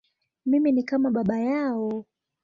Mimi ni kama baba yao.